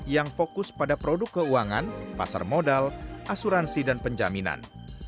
yang fokus pada produk keuangan pasar modal asuransi dan penjaminan